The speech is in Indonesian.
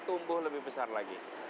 tumbuh lebih besar lagi